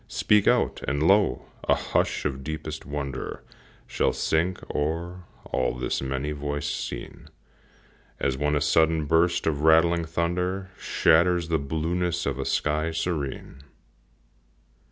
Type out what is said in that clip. Speak out! and, lo! a hush of deepest wonder Shall sink o'er all this many voicèd scene, As when a sudden burst of rattling thunder Shatters the blueness of a sky serene.